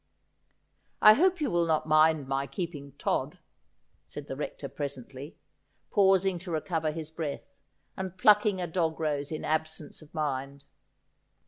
' I hope you will not mind my keeping Todd,' said the Rector presently, pausing to recover his breath, and plucking a dog rose in absence of mind.